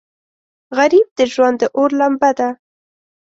غریب د ژوند د اور لمبه ده